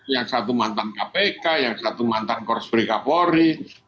yang satu mantan kpk yang satu mantan kors brika polri